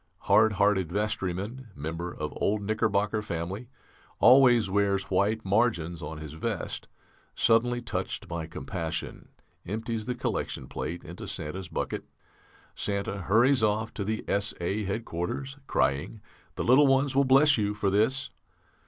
Hard hearted vestryman, member of old Knickerbocker family, always wears white margins on his vest, suddenly touched by compassion, empties the collection plate into Santa's bucket. Santa hurries off to the S.A. headquarters crying 'The little ones will bless you for this.'